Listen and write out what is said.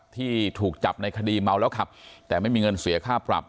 ที่ถูกจับในคดีเมาแล้วขับแต่ไม่มีเงินเสียค่าปรับ